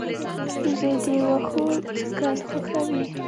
وزې د واښو څکل خوښوي